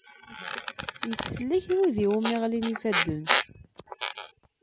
Ittsellik wid iwumi i ɣlin yifadden.